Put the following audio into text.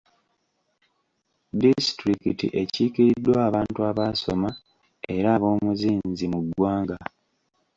Disitulikiti ekiikiriddwa abantu abaasoma era ab'omuzinzi mu ggwanga.